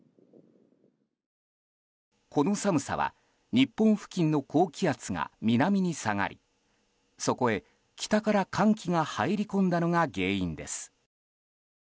この寒さは日本付近の高気圧が南に下がり、そこへ北から寒気が入り込んだのが原因です。